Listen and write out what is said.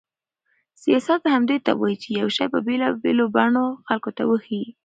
سیاست همدې ته وایي چې یو شی په بېلابېلو بڼو خلکو ته وښيي.